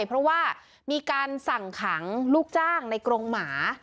เพราะว่ามีการสั่งขังลูกจ้างในกรงหมา